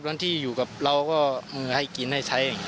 วันที่อยู่กับเราก็มือให้กินให้ใช้